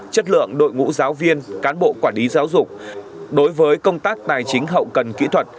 chất lượng đội ngũ giáo viên cán bộ quản lý giáo dục đối với công tác tài chính hậu cần kỹ thuật